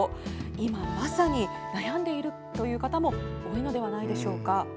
今まさに悩んでいる方も多いのではないでしょうか？